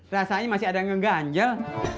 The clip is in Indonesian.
rasanya masih ada ngeganjel